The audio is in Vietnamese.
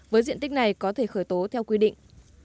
với diện tích này có thể khởi tố theo quy định